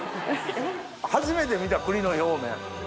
初めて見た栗の表面。